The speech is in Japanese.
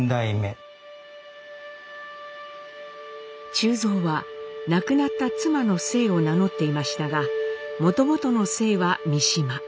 忠蔵は亡くなった妻の姓を名乗っていましたがもともとの姓は三島。